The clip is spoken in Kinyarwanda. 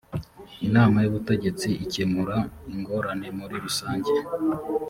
inama y’ubutegetsi ikemura ingorane muri rusange